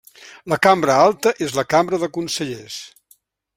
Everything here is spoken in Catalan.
La cambra alta és la Cambra de Consellers.